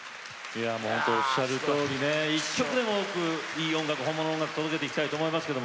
おっしゃるとおりでいい音楽、本物の音楽届けていきたいと思います。